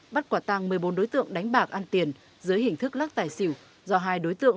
bắt quả tăng một mươi bốn đối tượng đánh bạc ăn tiền dưới hình thức lắc tài xỉu do hai đối tượng